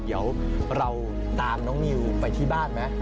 เดี๋ยวเราตามน้องนิวไปที่บ้านไหม